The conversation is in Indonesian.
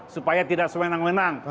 supaya tidak sewenang wenang